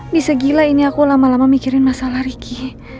di segila ini aku lama lama mikirin masalah riki